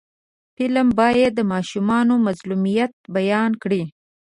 فلم باید د ماشومانو مظلومیت بیان کړي